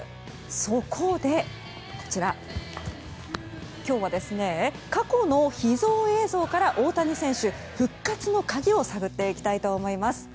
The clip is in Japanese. そこで、今日は過去の秘蔵映像から大谷選手復活の鍵を探っていきたいと思います。